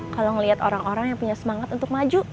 kalau melihat orang orang yang punya semangat untuk maju